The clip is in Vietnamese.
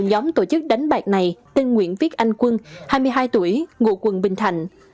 nhóm tổ chức đánh bạc này tên nguyễn viết anh quân hai mươi hai tuổi ngụ quân bình thạnh